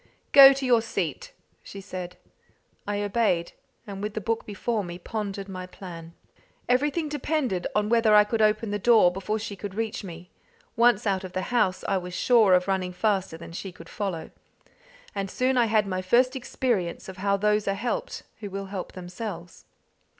"Go to your seat," she said. I obeyed, and with the book before me pondered my plan. Everything depended on whether I could open the door before she could reach me. Once out of the house, I was sure of running faster than she could follow. And soon I had my first experience of how those are helped who will help themselves.